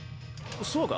そうか？